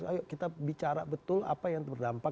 ayo kita bicara betul apa yang berdampak